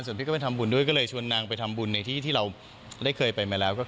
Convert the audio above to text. ส่วนพี่ก็ไปทำบุญด้วยก็เลยชวนนางไปทำบุญในที่ที่เราได้เคยไปมาแล้ว